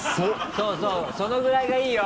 そうそうそのぐらいがいいよ。